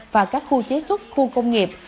và các khu chế xuất khu công nghiệp